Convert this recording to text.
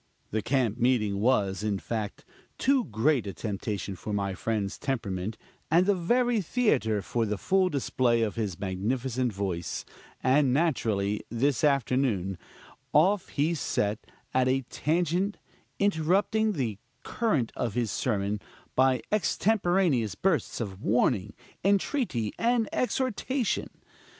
The camp meeting was, in fact, too great a temptation for my friend's temperament, and the very theater for the full display of his magnificent voice; and naturally, this afternoon, off he set at a tangent, interrupting the current of his sermon by extemporaneous bursts of warning, entreaty and exhortation.